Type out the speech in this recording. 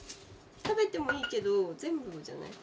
食べてもいいけど全部じゃない。